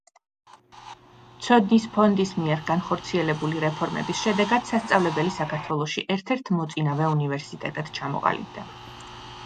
ცოდნის ფონდის მიერ განხორციელებული რეფორმების შედეგად სასწავლებელი საქართველოში ერთ-ერთ მოწინავე უნივერსიტეტად ჩამოყალიბდა.